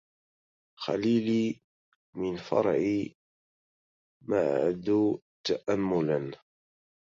خليلي من فرعي معد تأملا